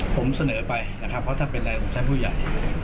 ผมเสนอไปเพราะถ้าเป็นอะไรผมใช้ผู้ใหญ่